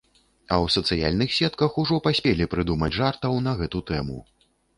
А ў сацыяльных сетках ужо паспелі прыдумаць жартаў на гэту тэму.